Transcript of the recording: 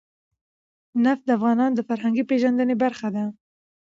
نفت د افغانانو د فرهنګي پیژندنې برخه ده.